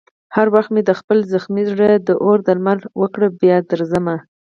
هر وخت مې چې د خپل زخمي زړه دارو درمل وکړ، بیا درځم.